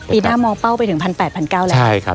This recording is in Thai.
ปีหน้ามองเป้าไปถึง๑๘๙๐๐แล้ว